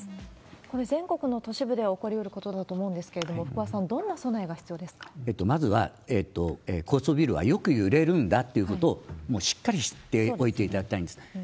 これ、全国の都市部で起こりうることだと思うんですけれども、福和さん、まずは、高層ビルはよく揺れるんだっていうことを、もうしっかり知っておいていただきたいんです。